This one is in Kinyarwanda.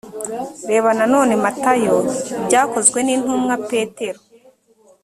reba nanone matayo ibyakozwenintumwa petero